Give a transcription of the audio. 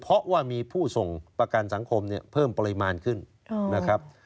เพราะว่ามีผู้ส่งประกันสังคมเนี่ยเพิ่มปริมาณขึ้นนะครับ